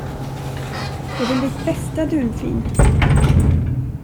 Jag vill ditt bästa, Dunfin.